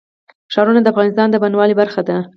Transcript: ښارونه د افغانستان د بڼوالۍ برخه ده.